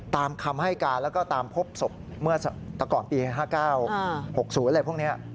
ตามคำให้การแล้วก็ตามพบศพเมื่อตะก่อนปี๕๙๖๐อะไรพวกนี้